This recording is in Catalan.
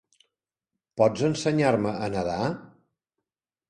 Pots ensenyar-me a nadar?